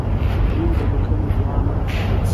دوی د بخښنې دعا نه ده کړې.